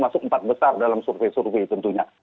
masuk empat besar dalam survei survei tentunya